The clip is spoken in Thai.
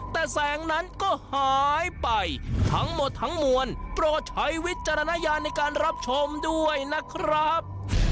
แต่แสงนั้นก็หายไปทั้งหมดทั้งมวลโปรดใช้วิจารณญาณในการรับชมด้วยนะครับ